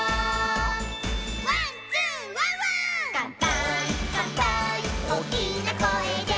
「１、２、ワンワン」「かんぱーいかんぱーいおおきなこえで」